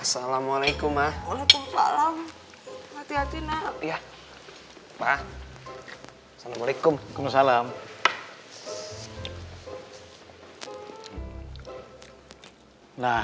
sampai jumpa di video selanjutnya